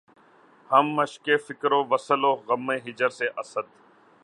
ہم مشقِ فکر وصل و غم ہجر سے‘ اسد!